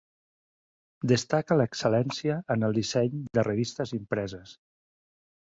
Destaca l'excel·lència en el disseny de revistes impreses.